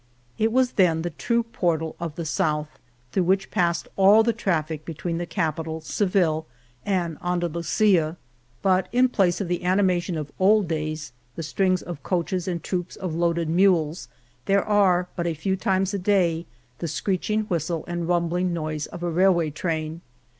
It was then the true Portal of the South, through which passed all the traffic between the capital, Seville, and Andalusia ; but in place of the anima tion of old days, the strings of coaches and troops of loaded mules, there are, but a few times a day, the screeching whistle and rum bling noise of a railway train.